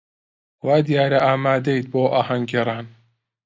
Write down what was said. وا دیارە ئامادەیت بۆ ئاهەنگگێڕان.